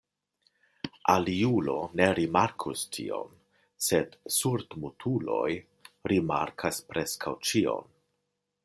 Aliulo ne rimarkus tion, sed surdmutuloj rimarkas preskaŭ ĉion.